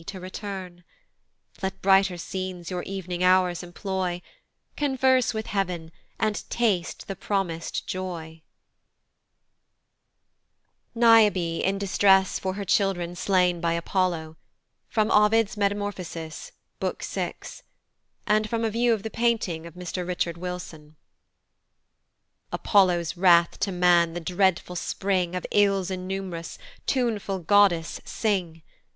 to return: "Let brighter scenes your ev'ning hours employ: "Converse with heav'n, and taste the promis'd joy" NIOBE in Distress for her Children slain by APOLLO, from Ovid's Metamorphoses, Book VI. and from a view of the Painting of Mr. Richard Wilson. APOLLO's wrath to man the dreadful spring Of ills innum'rous, tuneful goddess, sing!